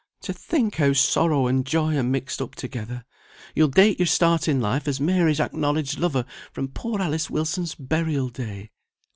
"To think how sorrow and joy are mixed up together. You'll date your start in life as Mary's acknowledged lover from poor Alice Wilson's burial day.